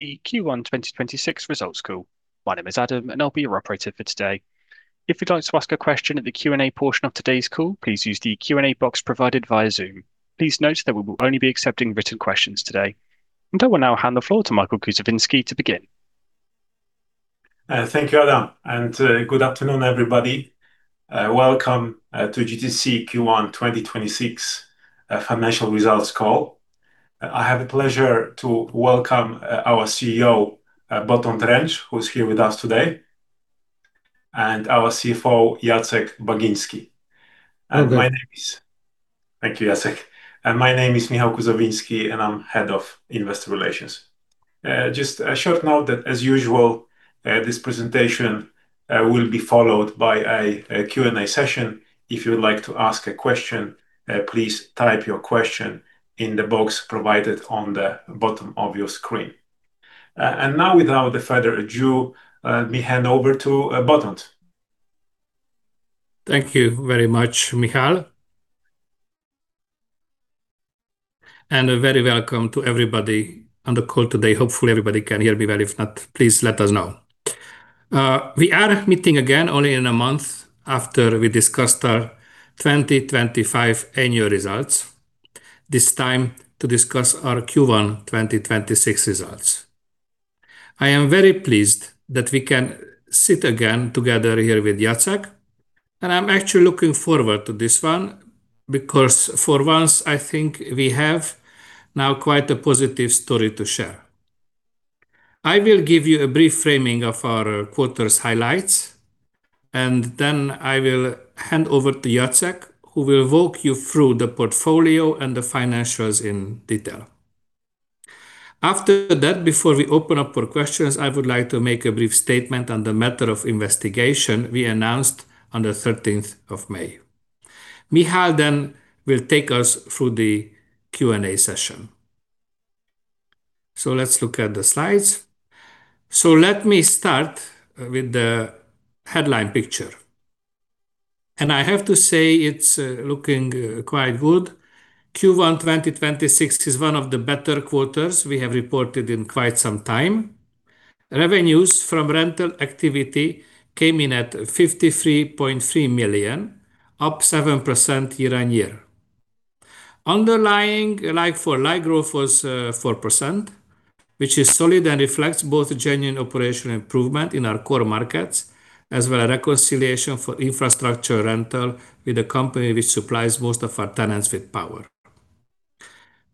The Q1 2026 results call. My name is Adam, and I'll be your operator for today. If you'd like to ask a question at the Q&A portion of today's call, please use the Q&A box provided via Zoom. Please note that we will only be accepting written questions today. I will now hand the floor to Michał Kuzawiński to begin. Thank you, Adam, and good afternoon, everybody. Welcome to GTC Q1 2026 financial results call. I have the pleasure to welcome our CEO, Botond Rencz, who is here with us today, and our CFO, Jacek Bagiński. Hi, good. Thank you, Jacek. My name is Michał Kuzawiński, and I'm head of investor relations. Just a short note that as usual, this presentation will be followed by a Q&A session. If you would like to ask a question, please type your question in the box provided on the bottom of your screen. Now, without further ado, let me hand over to Botond. Thank you very much, Michał. Very welcome to everybody on the call today. Hopefully, everybody can hear me well. If not, please let us know. We are meeting again only a month after we discussed our 2025 annual results, this time to discuss our Q1 2026 results. I am very pleased that we can sit again together here with Jacek, and I am actually looking forward to this one because for once, I think we have now quite a positive story to share. I will give you a brief framing of our quarter's highlights, and then I will hand over to Jacek, who will walk you through the portfolio and the financials in detail. After that, before we open up for questions, I would like to make a brief statement on the matter of investigation we announced on the 13th of May. Michał will take us through the Q&A session. Let's look at the slides. Let me start with the headline picture. I have to say it's looking quite good. Q1 2026 is one of the better quarters we have reported in quite some time. Revenues from rental activity came in at 53.3 million, up 7% year-on-year. Underlying like-for-like growth was 4%, which is solid and reflects both a genuine operational improvement in our core markets as well a reconciliation for infrastructure rental with a company which supplies most of our tenants with power.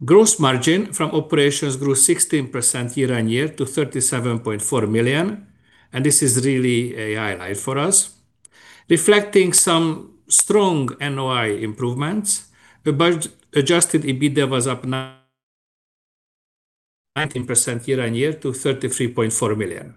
Gross margin from operations grew 16% year-on-year to 37.4 million, and this is really a highlight for us. Reflecting some strong NOI improvements, adjusted EBITDA was up 19% year-on-year to 33.4 million.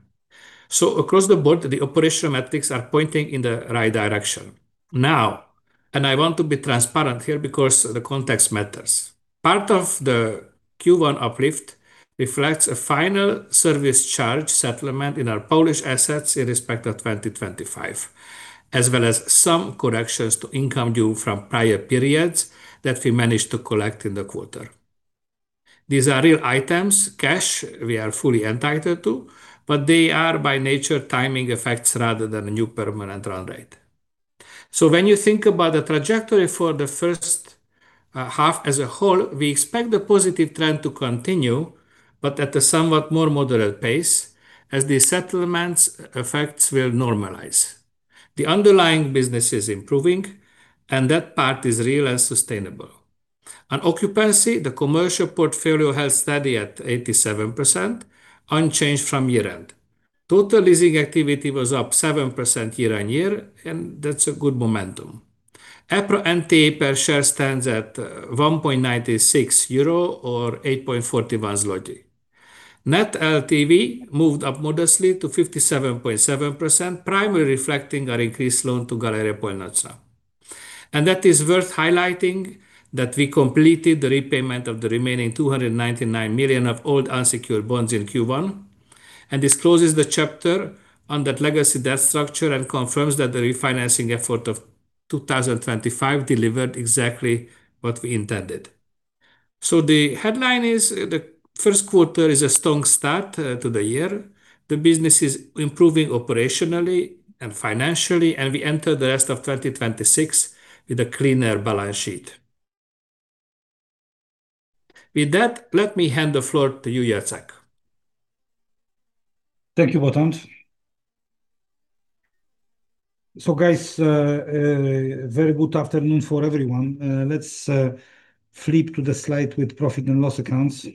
Across the board, the operational metrics are pointing in the right direction. I want to be transparent here because the context matters. Part of the Q1 uplift reflects a final service charge settlement in our Polish assets in respect of 2025, as well as some corrections to income due from prior periods that we managed to collect in the quarter. These are real items, cash we are fully entitled to, they are by nature timing effects rather than a new permanent run rate. When you think about the trajectory for the first half as a whole, we expect the positive trend to continue, but at a somewhat more moderate pace as the settlement's effects will normalize. The underlying business is improving, that part is real and sustainable. On occupancy, the commercial portfolio held steady at 87%, unchanged from year-end. Total leasing activity was up 7% year-on-year, that's a good momentum. EPRA NAV per share stands at 1.96 euro or 8.41 zloty. Net LTV moved up modestly to 57.7%, primarily reflecting our increased loan to Galeria Północna. That is worth highlighting that we completed the repayment of the remaining 299 million of old unsecured bonds in Q1, and this closes the chapter on that legacy debt structure and confirms that the refinancing effort of 2025 delivered exactly what we intended. The headline is the first quarter is a strong start to the year. The business is improving operationally and financially, and we enter the rest of 2026 with a cleaner balance sheet. With that, let me hand the floor to you, Jacek. Thank you, Botond. Guys, a very good afternoon for everyone. Let's flip to the slide with profit and loss accounts.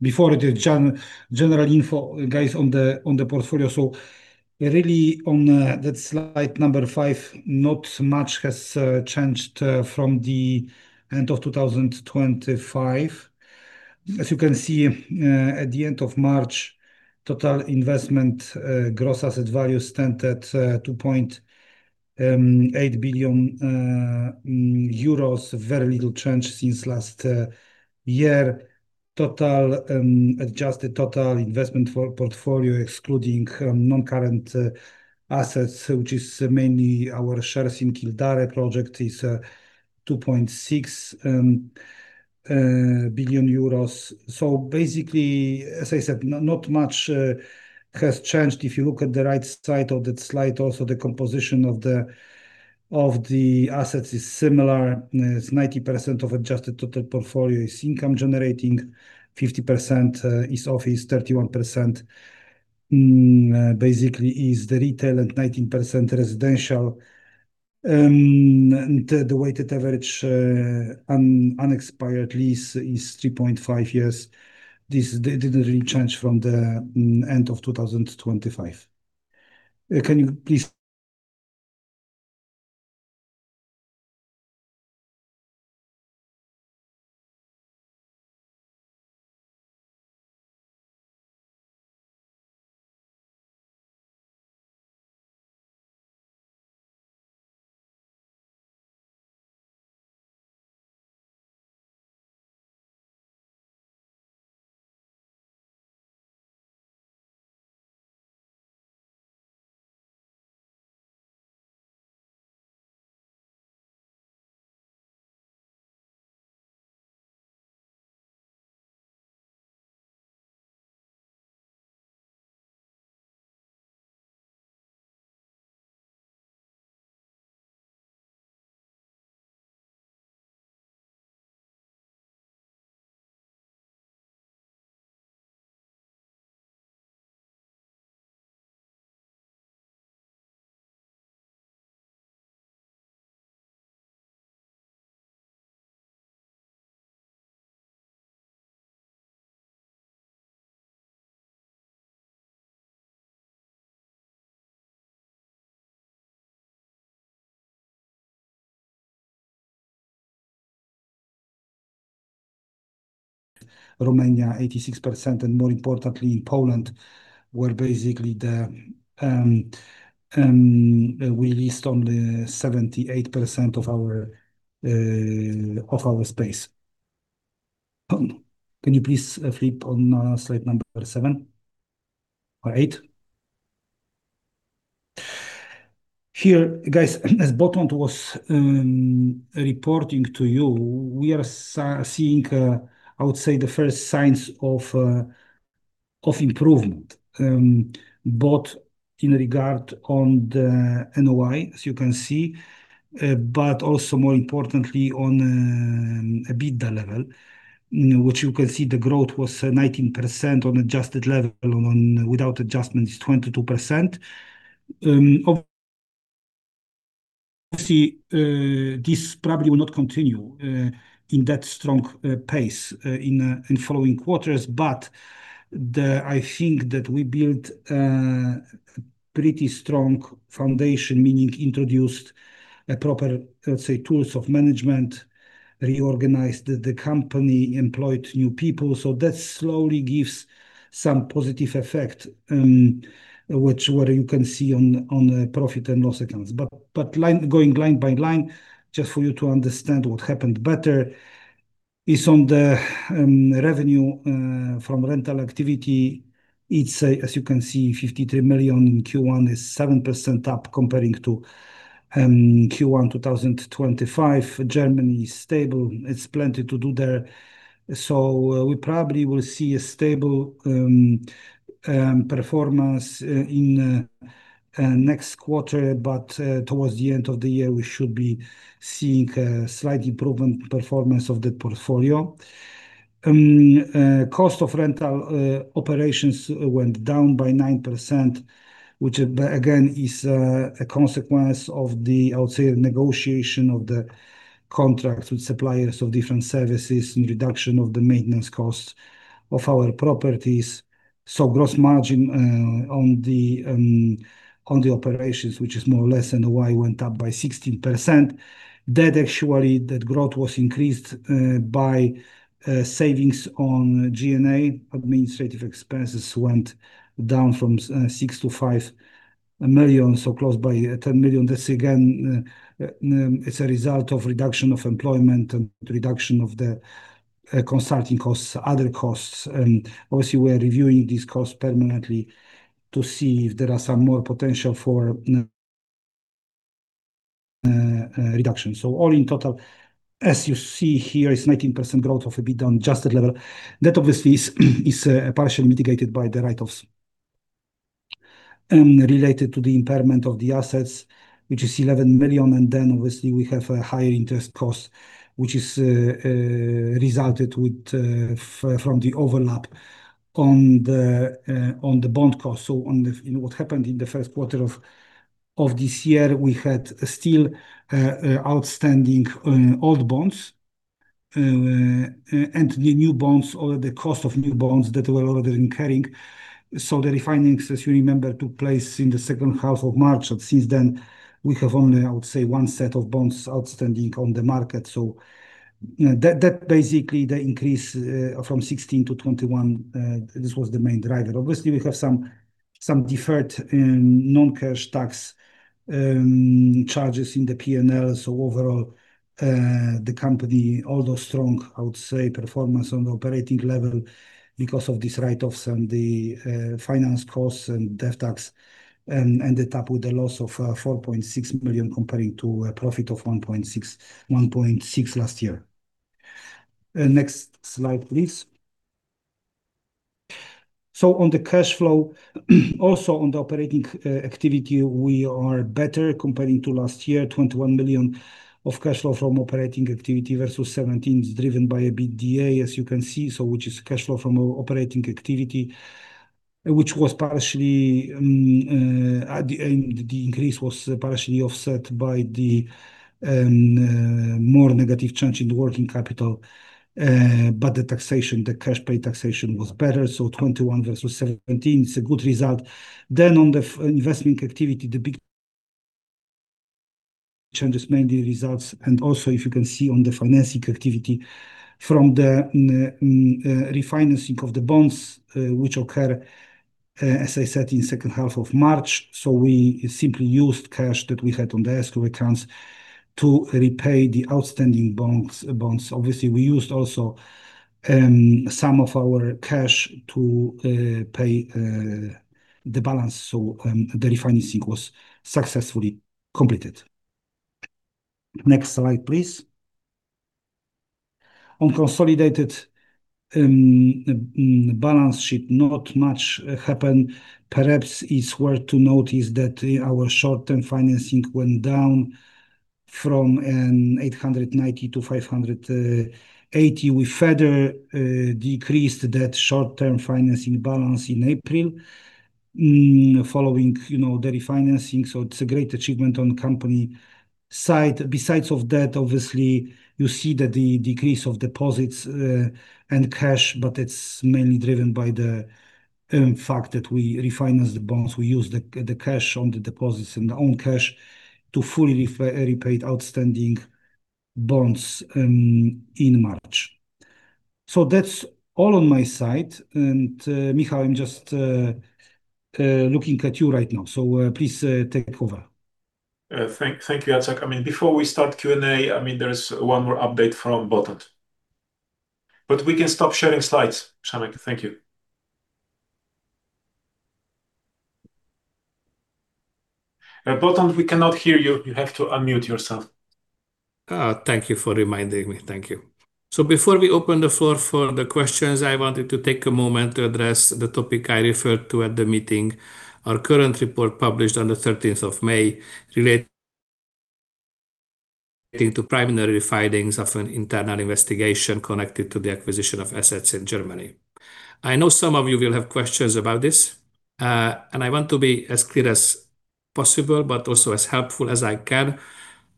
Before the general info, guys, on the portfolio. Really on that slide number five, not much has changed from the end of 2025. As you can see, at the end of March, total investment gross asset value stood at 2.8 billion euros. Very little change since last year. Basically, as I said, not much has changed. If you look at the right side of that slide, also, the composition of the assets is similar. 90% of adjusted total portfolio is income generating, 50% is office, 31% basically is the retail, and 19% residential. The weighted average unexpired lease is 3.5 years. This didn't really change from the end of 2025. Can you please Romania 86%, and more importantly, Poland, where basically we leased only 78% of our space. Can you please flip on slide number seven or eight? Here, guys, as Botond was reporting to you, we are seeing, I would say, the first signs of improvement, both in regard on the NOI, as you can see, but also more importantly on EBITDA level, which you can see the growth was 19% on adjusted level, and without adjustment is 22%. Obviously, this probably will not continue in that strong pace in following quarters. I think that we built a pretty strong foundation, meaning introduced proper, let's say, tools of management, reorganized the company, employed new people. That slowly gives some positive effect, which you can see on the profit and loss accounts. Going line by line, just for you to understand what happened better, is on the revenue from rental activity, it's, as you can see, 53 million in Q1 is 7% up comparing to Q1 2025. Germany is stable. It's plenty to do there. We probably will see a stable performance in next quarter, but towards the end of the year, we should be seeing a slight improvement performance of that portfolio. Cost of rental operations went down by 9%, which again, is a consequence of the, I would say, negotiation of the contracts with suppliers of different services and reduction of the maintenance costs of our properties. Gross margin on the operations, which is more or less NOI went up by 16%. That growth was increased by savings on G&A. Administrative expenses went down from 6 million-5 million, so close by 10 million. That, again, it's a result of reduction of employment and reduction of the consulting costs, other costs. Obviously, we are reviewing these costs permanently to see if there are some more potential for reduction. All in total, as you see here, is 19% growth of EBITDA on adjusted level. That obviously is partially mitigated by the write-offs related to the impairment of the assets, which is 11 million, and then obviously, we have a higher interest cost, which is resulted from the overlap on the bond cost. What happened in the first quarter of this year, we had still outstanding old bonds and the new bonds or the cost of new bonds that were already incurring. The refinancings, as you remember, took place in the second half of March, but since then, we have only, I would say, one set of bonds outstanding on the market. That basically the increase from 16 to 21, this was the main driver. Obviously, we have some deferred non-cash tax charges in the P&L. Overall, the company, although strong, I would say, performance on the operating level, because of these write-offs and the finance costs and debt tax, ended up with a loss of 4.6 million comparing to a profit of 1.6 last year. Next slide, please. On the cash flow, also on the operating activity, we are better comparing to last year, 21 million of cash flow from operating activity versus 17 million, is driven by EBITDA, as you can see. Which is cash flow from operating activity, which was partially at the end, the increase was partially offset by the more negative change in the working capital. The taxation, the cash pay taxation was better, 21 versus 17 is a good result. On the investment activity, the big changes, mainly results, and also if you can see on the financing activity from the refinancing of the bonds, which occur, as I said, in second half of March. We simply used cash that we had on the escrow accounts to repay the outstanding bonds. Obviously, we used also some of our cash to pay the balance. The refinancing was successfully completed. Next slide, please. On consolidated balance sheet, not much happened. Perhaps it's worth to notice that our short-term financing went down from 890-580. We further decreased that short-term financing balance in April following the refinancing. It's a great achievement on company side. Besides of that, obviously, you see that the decrease of deposits and cash, but it's mainly driven by the fact that we refinance the bonds. We use the cash on the deposits and the own cash to fully repay outstanding bonds in March. That's all on my side. Michał, I'm just looking at you right now, please take over. Thank you, Jacek. Before we start Q&A, there's one more update from Botond. We can stop sharing slides, [Przemek]. Thank you. Botond, we cannot hear you. You have to unmute yourself. Thank you for reminding me. Thank you. Before we open the floor for the questions, I wanted to take a moment to address the topic I referred to at the meeting. Our current report, published on the 13th of May, relate to primary findings of an internal investigation connected to the acquisition of assets in Germany. I know some of you will have questions about this, and I want to be as clear as possible, but also as helpful as I can,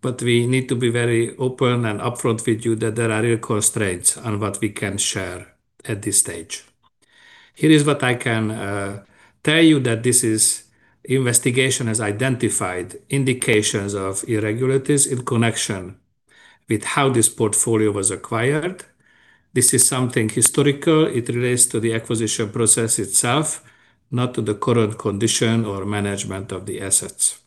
but we need to be very open and upfront with you that there are real constraints on what we can share at this stage. Here is what I can tell you, that this investigation has identified indications of irregularities in connection with how this portfolio was acquired. This is something historical. It relates to the acquisition process itself, not to the current condition or management of the assets.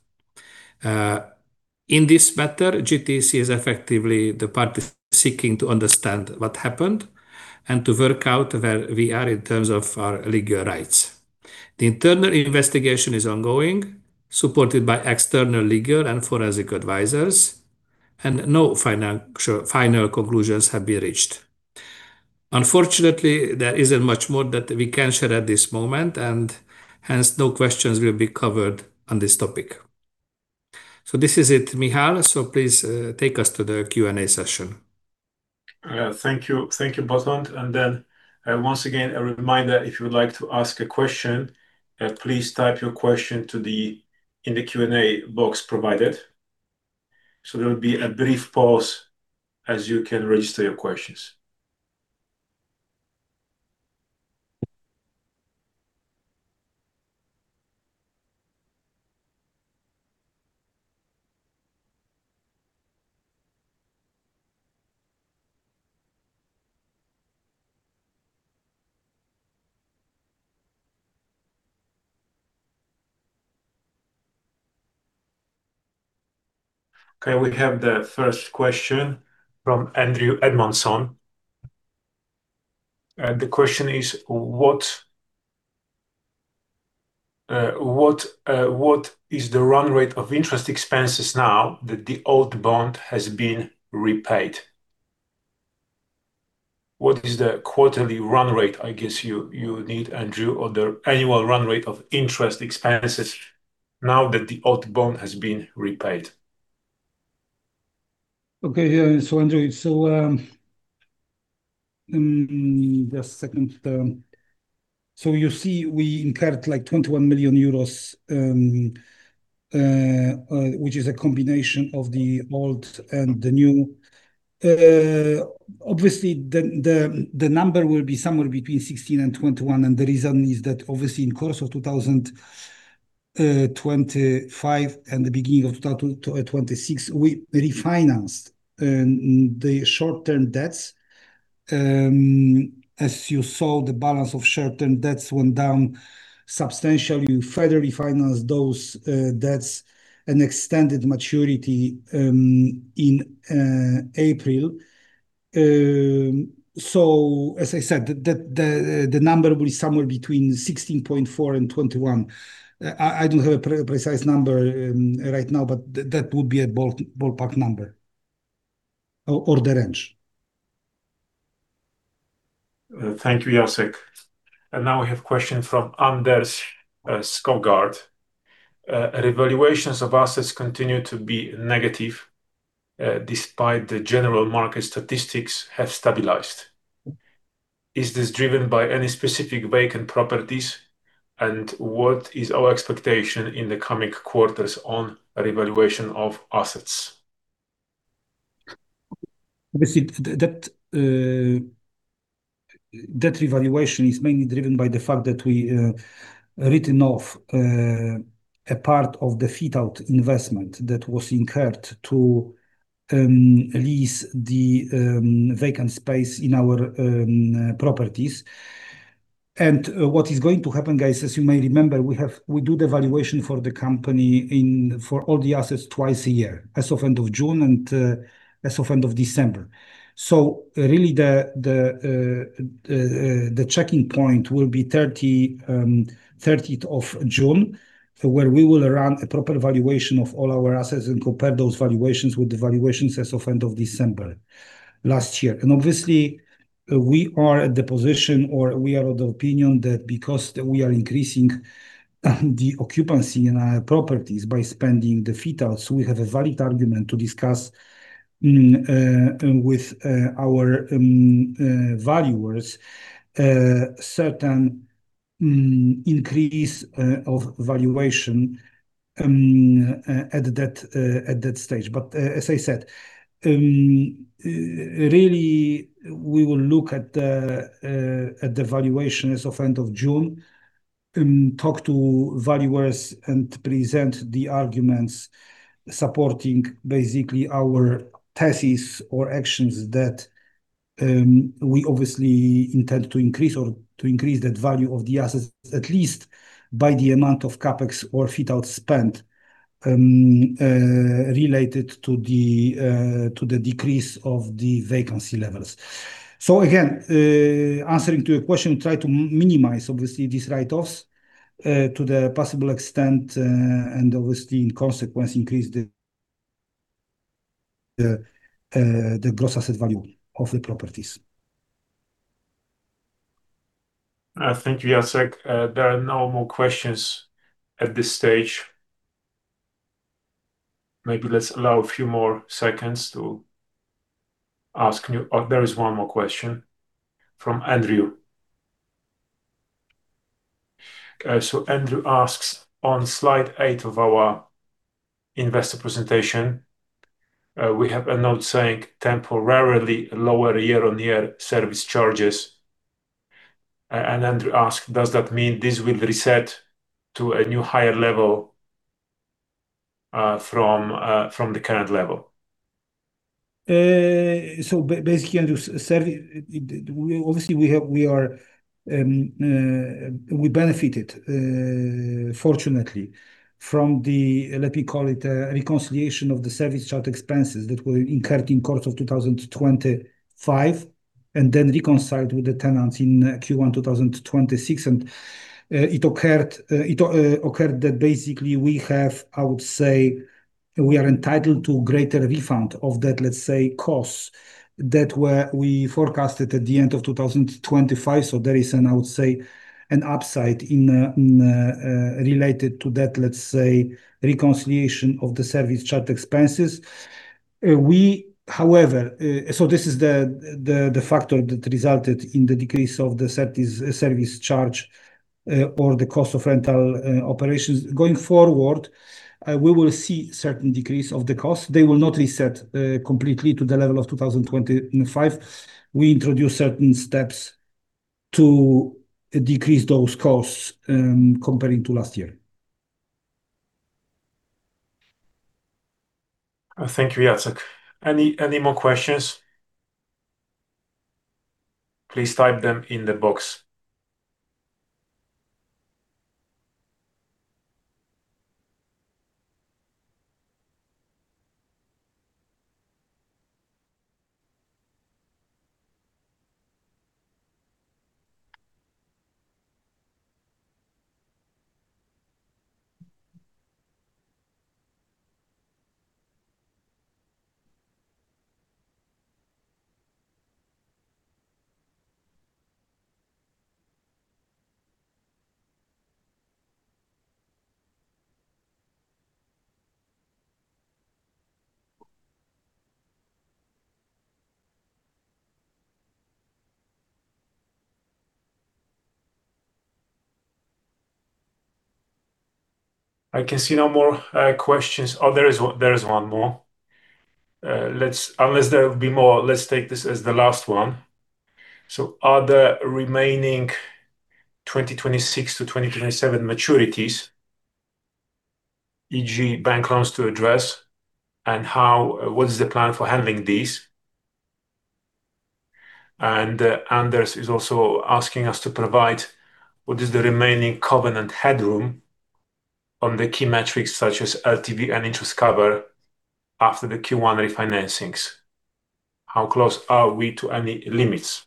In this matter, GTC is effectively the party seeking to understand what happened and to work out where we are in terms of our legal rights. The internal investigation is ongoing, supported by external legal and forensic advisors, and no final conclusions have been reached. Unfortunately, there isn't much more that we can share at this moment. Hence, no questions will be covered on this topic. This is it, Michał, so please take us to the Q&A session. Thank you. Thank you, Botond. Then once again, a reminder, if you would like to ask a question, please type your question in the Q&A box provided. There will be a brief pause as you can register your questions. We have the first question from Andrew Edmondson. The question is, what is the run rate of interest expenses now that the old bond has been repaid? What is the quarterly run rate, I guess you need, Andrew, or the annual run rate of interest expenses now that the old bond has been repaid? Andrew, just a second. You see we incurred like EUR 21 million, which is a combination of the old and the new. Obviously, the number will be somewhere between 16 million and 21 million, the reason is that obviously in course of 2025 and the beginning of 2026, we refinanced the short-term debts. As you saw, the balance of short-term debts went down substantially. We further refinanced those debts and extended maturity in April. As I said, the number will be somewhere between 16.4 million and 21 million. I don't have a precise number right now, that would be a ballpark number or the range. Thank you, Jacek. Now we have a question from Anders Skovgaard. Revaluations of assets continue to be negative, despite the general market statistics have stabilized. Is this driven by any specific vacant properties? What is our expectation in the coming quarters on revaluation of assets? You see, that revaluation is mainly driven by the fact that we written off a part of the fit-out investment that was incurred to lease the vacant space in our properties. What is going to happen, guys, as you may remember, we do the valuation for the company for all the assets twice a year, as of end of June and as of end of December. Really the checking point will be 30th of June, where we will run a proper valuation of all our assets and compare those valuations with the valuations as of end of December last year. Obviously, we are at the position, or we are of the opinion that because we are increasing the occupancy in our properties by spending the fit-outs, we have a valid argument to discuss with our valuers certain increase of valuation at that stage. As I said, really, we will look at the valuation as of end of June, talk to valuers and present the arguments supporting basically our thesis or actions that we obviously intend to increase that value of the assets at least by the amount of CapEx or fit-out spent related to the decrease of the vacancy levels. Again, answering to your question, try to minimize, obviously, these write-offs to the possible extent, and obviously, in consequence, increase the gross asset value of the properties. Thank you, Jacek. There are no more questions at this stage. Maybe let's allow a few more seconds. Oh, there is one more question from Andrew. Okay, Andrew asks, on slide eight of our investor presentation, we have a note saying temporarily lower year-on-year service charges. Andrew asks, does that mean this will reset to a new higher level from the current level? Basically, Andrew, obviously, we benefited, fortunately, from the, let me call it, reconciliation of the service charge expenses that were incurred in course of 2025, and then reconciled with the tenants in Q1 2026. It occurred that basically we have, I would say, we are entitled to greater refund of that, let's say, costs that we forecasted at the end of 2025. There is an, I would say, an upside related to that, let's say, reconciliation of the service charge expenses. This is the factor that resulted in the decrease of the service charge or the cost of rental operations. Going forward, we will see certain decrease of the cost. They will not reset completely to the level of 2025. We introduce certain steps to decrease those costs, comparing to last year. Thank you, Jacek. Any more questions? Please type them in the box. I can see no more questions. Oh, there is one more. Unless there will be more, let's take this as the last one. Are the remaining 2026 to 2027 maturities, e.g., bank loans to address, and what is the plan for handling these? Anders is also asking us to provide what is the remaining covenant headroom on the key metrics such as LTV and interest cover after the Q1 refinancings. How close are we to any limits?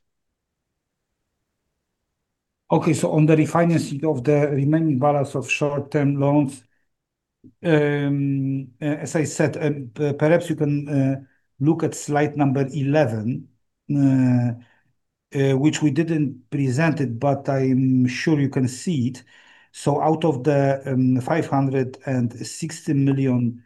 Okay, on the refinancing of the remaining balance of short-term loans, as I said, perhaps you can look at slide number 11, which we didn't present it, but I'm sure you can see it. Out of the EUR 560 million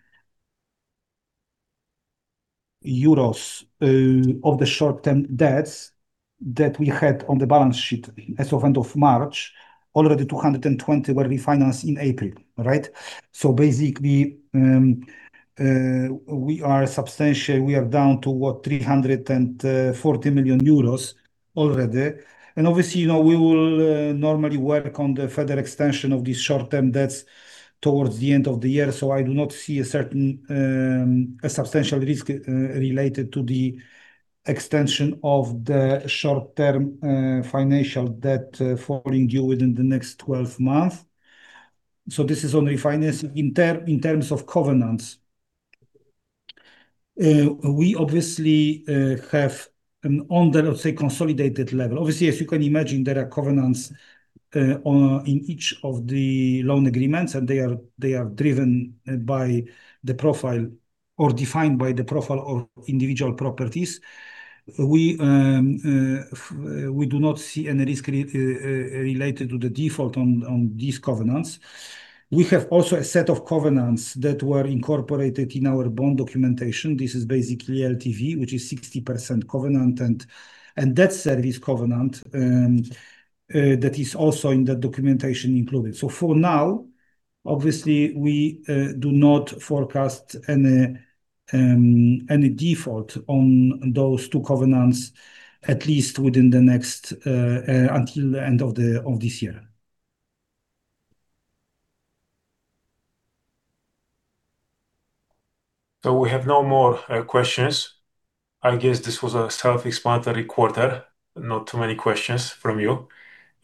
of the short-term debts that we had on the balance sheet as of end of March, already 220 million were refinanced in April, right? Basically, we are substantial. We are down to what? 340 million euros already. Obviously, we will normally work on the further extension of these short-term debts towards the end of the year. I do not see a substantial risk related to the extension of the short-term financial debt falling due within the next 12 months. This is on refinancing. In terms of covenants, we obviously have on the, let's say, consolidated level. Obviously, as you can imagine, there are covenants in each of the loan agreements, and they are driven by the profile or defined by the profile of individual properties. We do not see any risk related to the default on these covenants. We have also a set of covenants that were incorporated in our bond documentation. This is basically LTV, which is 60% covenant and debt service covenant, that is also in the documentation included. For now, obviously, we do not forecast any default on those two covenants, at least until the end of this year. We have no more questions. I guess this was a self-explanatory quarter, not too many questions from you.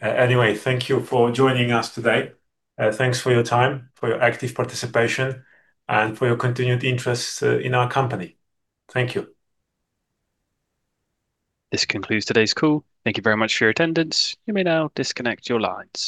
Thank you for joining us today. Thanks for your time, for your active participation, and for your continued interest in our company. Thank you. This concludes today's call. Thank you very much for your attendance. You may now disconnect your lines.